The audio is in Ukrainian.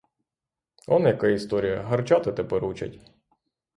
Он яка історія: гарчати тепер учать!